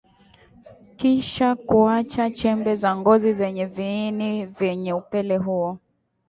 kisha kuacha chembe za ngozi zenye viini vyenye upele huo